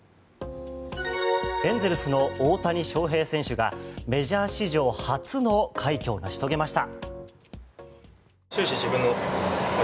エンゼルスの大谷翔平選手がメジャー史上初の快挙を成し遂げました。